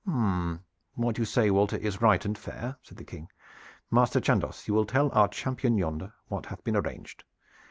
"What you say, Walter, is right and fair," said the King. "Master Chandos, you will tell our champion yonder what hath been arranged.